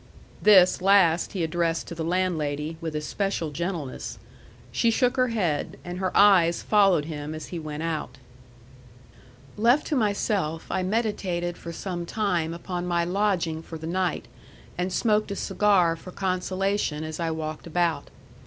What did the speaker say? This last he addressed to the landlady, with especial gentleness. She shook her head, and her eyes followed him as he went out. Left to myself I meditated for some time upon my lodging for the night, and smoked a cigar for consolation as I walked about.